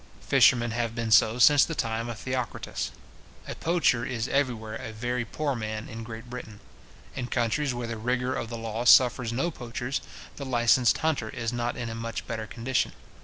Fishermen have been so since the time of Theocritus. {See Idyllium xxi.}. A poacher is everywhere a very poor man in Great Britain. In countries where the rigour of the law suffers no poachers, the licensed hunter is not in a much better condition.